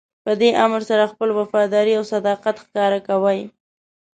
په دې امر سره خپله وفاداري او صداقت ښکاره کوئ.